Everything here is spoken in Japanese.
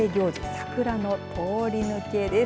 桜の通り抜けです。